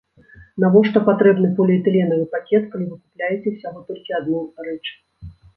Навошта патрэбны поліэтыленавы пакет, калі вы купляеце ўсяго толькі адну рэч?